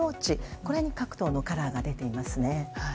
これに各党のカラーが出ていますね。